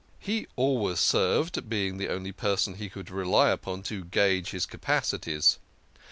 He always served, being the only person he could rely upon to gauge his capacities.